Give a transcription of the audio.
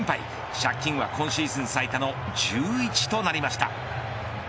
借金は今シーズン最多の１１となりました。